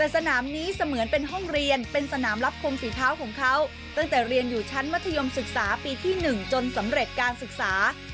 สนามนี้เหมือนเป็นห้องเรียนเป็นสนามรับคมสีพล้าวตั้งแต่รีนอยู่แชนวัทยมศึกษาปีที่หนึ่งจนสำเร็จการศึกษา